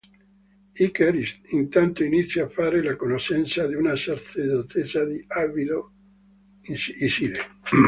Iker, intanto, inizia a fare la conoscenza di una sacerdotessa di Abido, Iside.